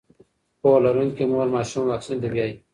پوهه لرونکې مور ماشوم واکسین ته بیايي.